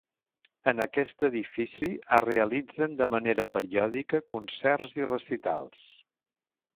En aquest edifici es realitzen de manera periòdica concerts i recitals.